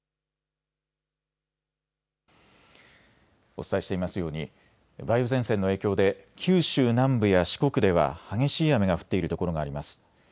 お伝えしていますように梅雨前線の影響で九州南部や四国では激しい雨が降っている所があります。